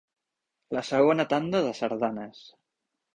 La segona tanda de sardanes.